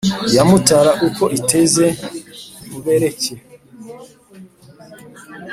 iya mutara uko iteze nkubereke